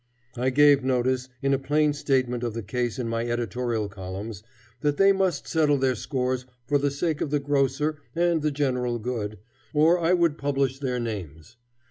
I gave notice, in a plain statement of the case in my editorial columns, that they must settle their scores for the sake of the grocer and the general good, or I would publish their names.